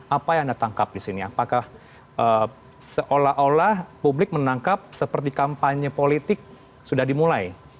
apa yang anda tangkap di sini apakah seolah olah publik menangkap seperti kampanye politik sudah dimulai